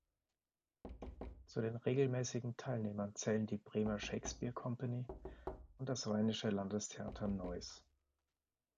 Zu den regelmäßigen Teilnehmern zählen die bremer shakespeare company und das Rheinische Landestheater Neuss.